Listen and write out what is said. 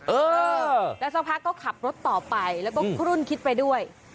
เออแล้วสักพักก็ขับรถต่อไปแล้วก็คลุ่นคิดไปด้วย